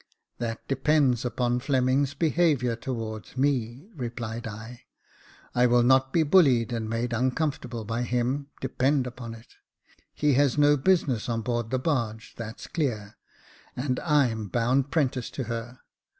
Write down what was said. *' That depends upon Fleming's behaviour towards me," replied I. " I will not be bullied and made uncomfortable by him, depend upon it ; he has no business on board the barge, that's clear, and I am bound 'prentice to her.